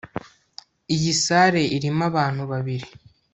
iyi salle irimo abantu bibiri